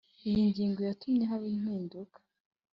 Iyi ngingo yatumye haba impinduka